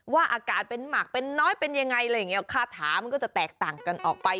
อากาศเป็นหมากเป็นน้อยเป็นยังไงอะไรอย่างเงี้คาถามันก็จะแตกต่างกันออกไป